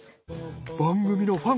番組のファン